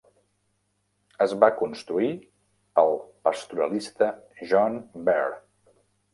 Es va construir pel pastoralista John Bear.